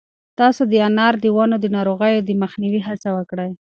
تاسو د انار د ونو د ناروغیو د مخنیوي هڅه وکړئ.